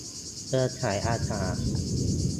เครือข่ายอาสา